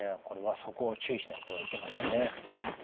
これはそこを注意しないといけませんね。